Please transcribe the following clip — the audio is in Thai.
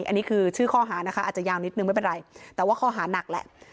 อันนี้คือชื่อข้อหานะคะอาจจะยาวนิดนึงไม่เป็นไรแต่ว่าข้อหานักแหละ